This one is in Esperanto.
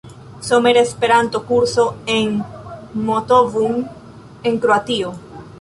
Somera Esperanto-Kurso en Motovun en Kroatio.